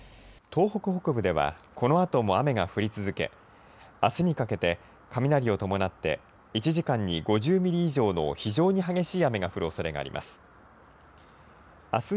東北北部ではこのあとも雨が降り続けあすにかけて雷を伴って１時間に５０ミリ以上の非常に激しい雨が降るおそれがあります。